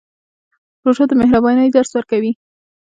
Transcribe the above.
روژه د مهربانۍ درس ورکوي.